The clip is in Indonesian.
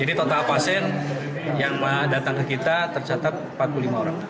jadi total pasien yang datang ke kita tercatat empat puluh lima orang